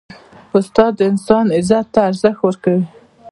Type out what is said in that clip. استاد د انسان عزت ته ارزښت ورکوي.